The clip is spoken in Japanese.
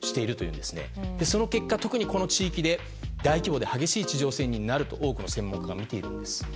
この結果、特にこの地域で大規模で激しい地上戦になると多くの専門家がみているんです。